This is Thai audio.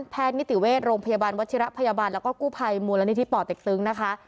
นิติเวชโรงพยาบาลวัชิระพยาบาลแล้วก็กู้ภัยมูลนิธิป่อเต็กตึงนะคะ